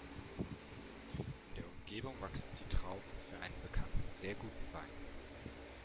In der Umgebung wachsen die Trauben für einen bekannten sehr guten Wein.